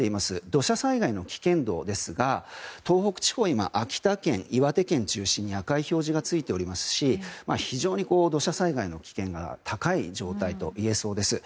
土砂災害の危険度ですが東北地方、今秋田県、岩手県を中心に赤い表示がついていますし非常に土砂災害の危険性が高い状態といえそうです。